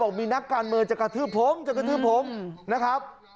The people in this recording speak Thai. มีนักการเมืองจะกระทืบผมจะกระทืบผมนะครับ